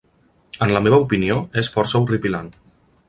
En la meva opinió és força horripilant.